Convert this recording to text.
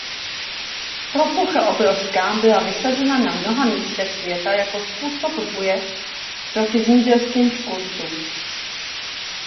Ropucha obrovská byla vysazena na mnoha místech světa jako způsob boje proti zemědělským škůdcům.